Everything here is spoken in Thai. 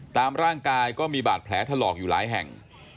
ตามร่างกายก็มีบาดแผลถลอกอยู่หลายแห่ง